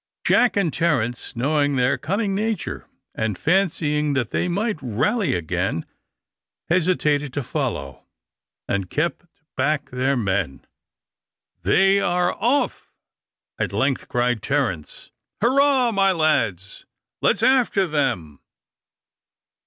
Jack and Terence, knowing their cunning nature, and fancying that they might rally again, hesitated to follow, and kept back their men. "They are off," at length cried Terence. "Hurrah, my lads. Let's after them!"